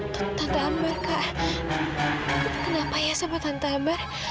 tante ambar kak kenapa ya sama tante ambar